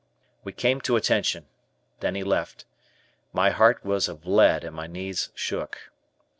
We came to attention. Then he left. My heart was of lead and my knees shook.